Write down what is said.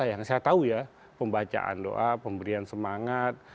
yang saya tahu ya pembacaan doa pemberian semangat